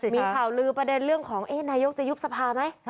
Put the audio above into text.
มีข่าวลือประเด็นเรื่องของนายกจะยุบสภาไหม